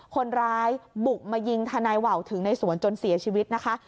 คนร้ายบุกมายิงทนายว่าวถึงในสวนจนเสียชีวิตนะคะ